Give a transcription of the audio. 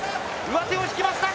上手を引きました。